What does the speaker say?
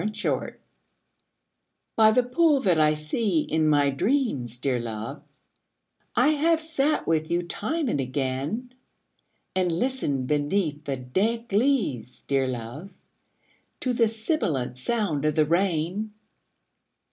THE POOL By the pool that I see in my dreams, dear love, I have sat with you time and again; And listened beneath the dank leaves, dear love, To the sibilant sound of the rain.